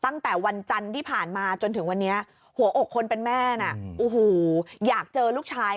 ตั้งแต่วันจันทร์ที่ผ่านมาจนถึงวันนี้หัวอกคนเป็นแม่น่ะโอ้โหอยากเจอลูกชาย